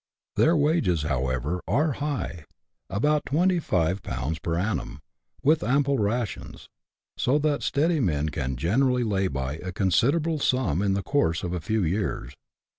Their wages, however, are high — about 251. per annum, with ample rations ; so that steady men can generally lay by a consi derable sum in the course of a few years.